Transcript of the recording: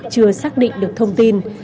chưa xác định được thông tin